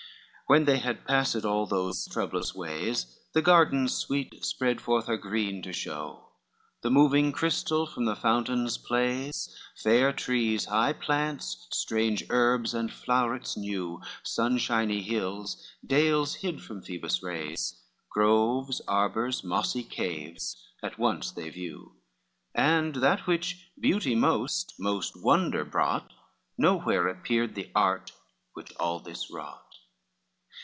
IX When they had passed all those troubled ways, The garden sweet spread forth her green to show, The moving crystal from the fountains plays, Fair trees, high plants, strange herbs and flowerets new, Sunshiny hills, dales hid from Phoebus' rays, Groves, arbors, mossy caves, at once they view, And that which beauty moat, most wonder brought, Nowhere appeared the art which all this wrought.